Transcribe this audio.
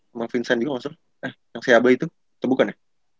sama vincent juga maksudnya eh yang seaba itu atau bukan ya